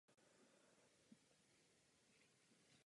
K jižní straně lodi pak přiléhá čtvercová předsíň.